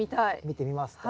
見てみますか。